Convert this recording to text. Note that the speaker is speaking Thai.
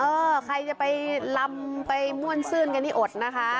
ใครจะไปลำไปม่วนซื่นกันนี่อดนะคะ